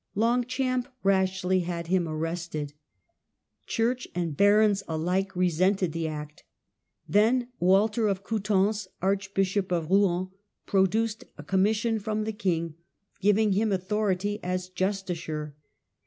Longchamp rashly had him arrested. Church and barons alike resented the act Then Walter of Coutances, Archbishop of Rouen, produced a commission from the king giving him autho rity as justiciar.